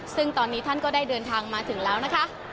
ซึ่งตอนนี้ท่านก็ได้เดินทางมาถึงแล้วนะคะ